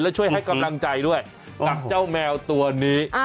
และช่วยให้กำลังใจด้วยกับเจ้าแมวตัวนี้